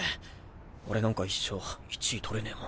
俺なんか一生１位取れねぇもん。